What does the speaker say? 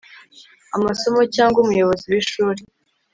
amasomo cyangwa umuyobozi w ishuri